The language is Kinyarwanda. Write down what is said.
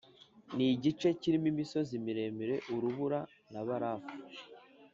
Ni igice kirimo imisozi miremire, urubura na barafu